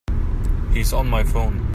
He's on my phone.